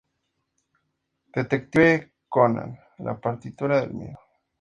Detective Conan: La partitura del miedo